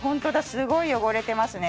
すごい汚れてますね。